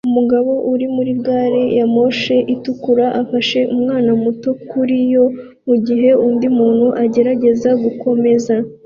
Umugabo uri muri gari ya moshi itukura afasha umwana muto kuri yo mugihe undi muntu agerageza gukomeza